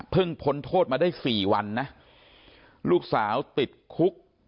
พ้นโทษมาได้๔วันนะลูกสาวติดคุก